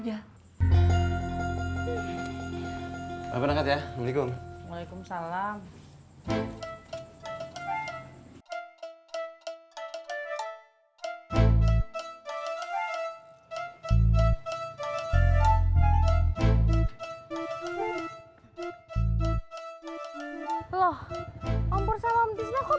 om purwamitisnya kok barengan